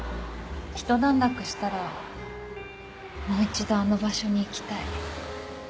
一段落したらもう一度あの場所に行きたい。